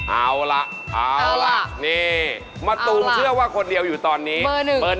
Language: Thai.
เอาล่ะนี่มาตูมเชื่อว่าคนเดียวอยู่ตอนนี้เอาล่ะ